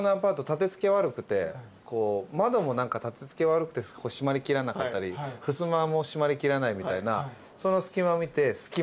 立て付け悪くて窓も立て付け悪くて閉まりきらなかったりふすまも閉まりきらないみたいなその。